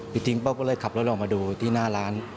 ปิดทิ้งป้องก็เลยขับรถลงมาดูที่หน้าร้าน